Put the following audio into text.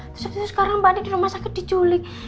terus abis itu sekarang mbak andien di rumah sakit diculik